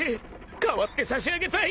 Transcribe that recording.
［代わってさしあげたい］